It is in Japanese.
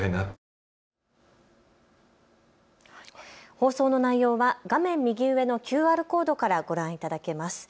放送の内容は画面右上のＱＲコードからご覧いただけます。